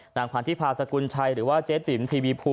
หลังความที่พาสกุลชัยหรือว่าเจ๊ติ๋มทีวีฟู